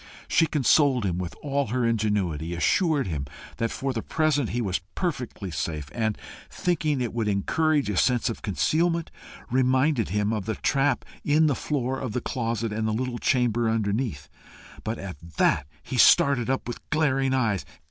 She consoled him with all her ingenuity, assured him that for the present he was perfectly safe, and, thinking it would encourage a sense of concealment, reminded him of the trap in the floor of the closet and the little chamber underneath. But at that he started up with glaring eyes.